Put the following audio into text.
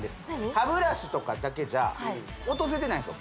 歯ブラシとかだけじゃ落とせてないんですよ